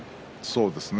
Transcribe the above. そうですね。